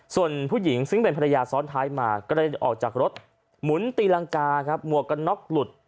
ส่วนผู้หญิงซึ่งเป็นภรรยาซ้อนท้ายมากระเด็นออกจากรถหมุนตีรังกาครับหมวกกันน็อกหลุด